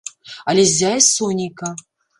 Але ззяе сонейка.